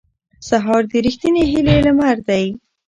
سهار د رښتینې هیلې لمر دی.